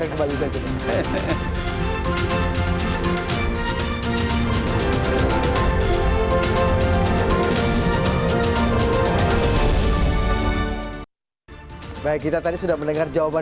sampai jumpa di segmen berikut